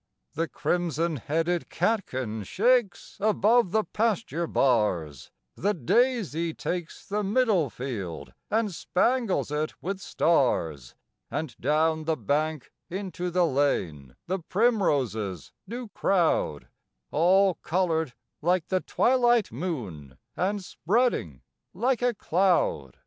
The crimson headed catkin shakes above the pasture bars, The daisy takes the middle field and spangles it with stars, And down the bank into the lane the primroses do crowd, All colored like the twilight moon, and spreading like a cloud!